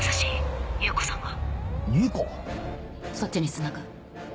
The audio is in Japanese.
そっちにつなぐ。